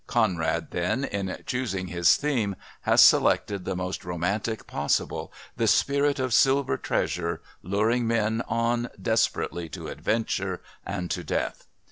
Conrad, then, in choosing his theme, has selected the most romantic possible, the spirit of silver treasure luring men on desperately to adventure and to death.